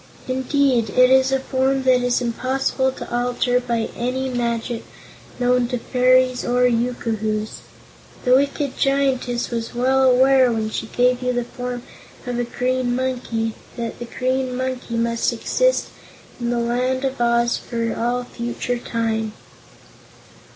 Indeed, it is a form that is impossible to alter by any magic known to fairies or yookoohoos. The wicked Giantess was well aware, when she gave you the form of a Green Monkey, that the Green Monkey must exist in the Land of Oz for all future time."